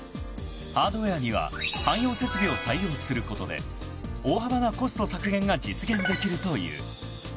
［ハードウエアには汎用設備を採用することで大幅なコスト削減が実現できるという］